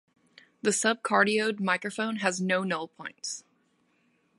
The sub-cardioid microphone has no null points.